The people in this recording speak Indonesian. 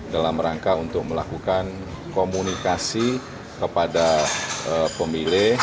dalam rangka untuk melakukan komunikasi kepada pemilih